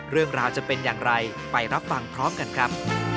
เรื่องราวจะเป็นอย่างไรไปรับฟังพร้อมกันครับ